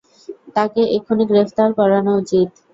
তাকে এক্ষুনি গ্রেফতার করানো উচিত!